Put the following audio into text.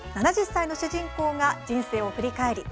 ７０歳の主人公が人生を振り返り